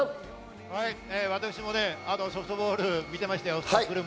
私もソフトボールを見ていました。